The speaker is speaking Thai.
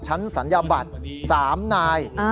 ชั้นสัญญาบัตร๓นาย